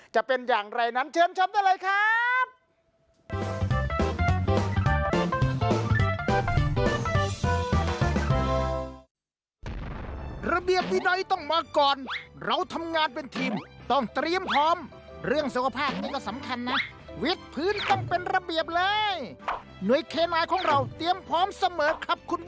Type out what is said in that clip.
จะเป็นอย่างไรนั้นเชิญชมได้เลยครับ